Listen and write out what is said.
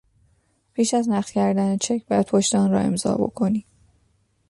پیش از نقد کردن چک باید پشت آن را امضا بکنی.